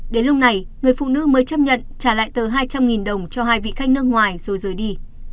đến lúc này người phụ nữ mới chấp nhận trả lại từ hai trăm linh đồng cho hai vị khách nước ngoài rồi rời đi